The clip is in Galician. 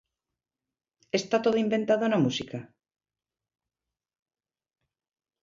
Está todo inventado na música?